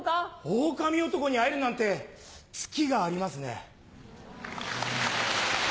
オオカミ男に会えるなんてツキがありますね。